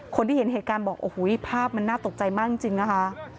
คนที่เห็นเหตุการณ์บอกโอ้โหภาพมันน่าตกใจมากจริงนะคะ